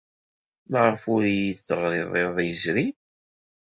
Maɣef ur iyi-d-teɣrid iḍ yezrin?